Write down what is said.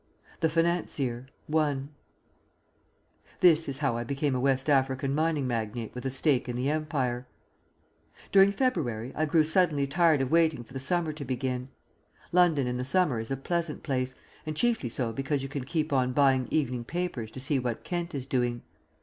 THE FINANCIER. I This is how I became a West African mining magnate with a stake in the Empire. During February I grew suddenly tired of waiting for the summer to begin. London in the summer is a pleasant place, and chiefly so because you can keep on buying evening papers to see what Kent is doing.